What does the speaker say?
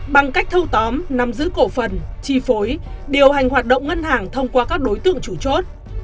bằng cách thâu tóm nắm giữ cổ phần chi phối điều hành hoạt động ngân hàng thông qua các đối tượng chủ chốt